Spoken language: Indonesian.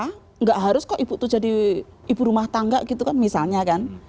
tidak harus kok ibu itu jadi ibu rumah tangga gitu kan misalnya kan